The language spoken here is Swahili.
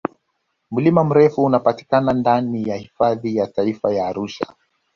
mlima meru unapatikana ndani ya hifadhi ya taifa ya arusha